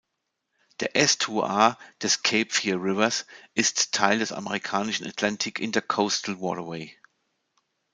Der Ästuar des Cape Fear Rivers ist Teil des amerikanischen Atlantic Intracoastal Waterway.